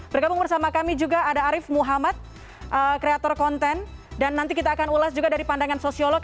bergabung bersama kami juga ada arief muhammad kreator konten dan nanti kita akan ulas juga dari pandangan sosiolog